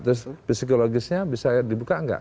terus psikologisnya bisa dibuka nggak